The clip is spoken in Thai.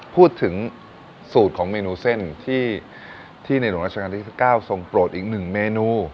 พูดถึงสูตรของเมนูเส้นที่ในหลวงราชการที่๙ทรงโปรดอีก๑เมนู